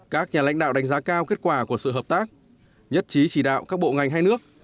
các nhà lãnh đạo đánh giá cao kết quả của sự hợp tác nhất trí chỉ đạo các bộ ngành hai nước